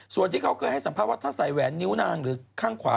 ส่วนที่เขาเคยให้สัมภาษณ์ว่าถ้าใส่แหวนนิ้วนางหรือข้างขวา